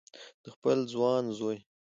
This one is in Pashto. د خپل ځوان زوی